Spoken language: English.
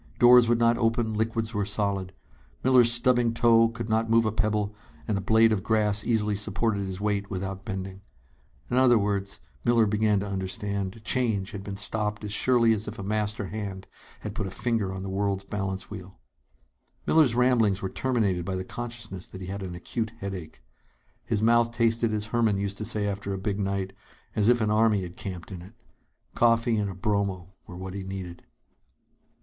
Doors would not open, liquids were solid. Miller's stubbing toe could not move a pebble, and a blade of grass easily supported his weight without bending. In other words, Miller began to understand, change had been stopped as surely as if a master hand had put a finger on the world's balance wheel. Miller's ramblings were terminated by the consciousness that he had an acute headache. His mouth tasted, as Herman used to say after a big night, as if an army had camped in it. Coffee and a bromo were what he needed.